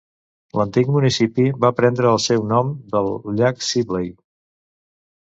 L'antic municipi va prendre el seu nom del llac Sibley.